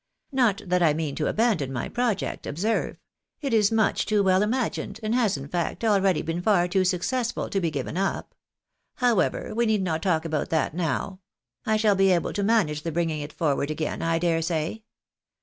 Not that I mean to abandon my project, observe. It is much too well imagined, and has in fact aheady been far too successful to be given up. However, we need not talk about that now ; I shall be able to manage the bringing it forward again, I dare say.